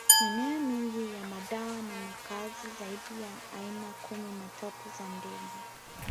Mimea mingi ya madawa ni makazi zaidi ya aina kumi na tatu za ndege